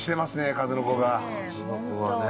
数の子がね。